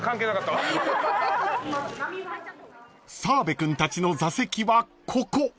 ［澤部君たちの座席はここ］